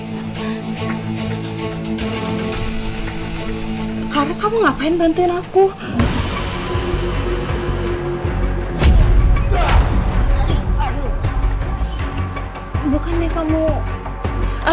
gimana yang kalian wilderness semua